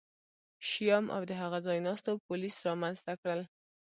شیام او د هغه ځایناستو پولیس رامنځته کړل